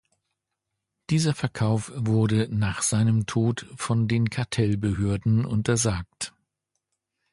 Dieser Verkauf wurde nach seinem Tod von den Kartellbehörden untersagt.